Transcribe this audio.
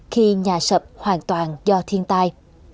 khi nhà sợp hoàn toàn do thiên tai